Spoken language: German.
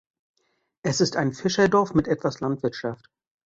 Es ist ein Fischerdorf mit etwas Landwirtschaft.